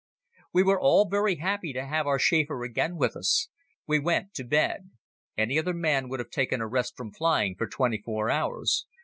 We were all very happy to have our Schäfer again with us. He went to bed. Any other man would have taken a rest from flying for twenty four hours.